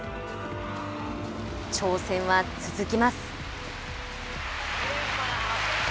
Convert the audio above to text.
挑戦は続きます。